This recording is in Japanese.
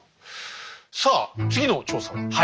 さあ次の調査は？